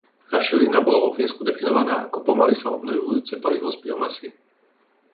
Rašelina bola vo Fínsku definovaná ako pomaly sa obnovujúce palivo z biomasy.